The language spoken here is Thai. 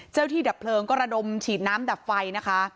ที่ดับเพลิงก็ระดมฉีดน้ำดับไฟนะคะ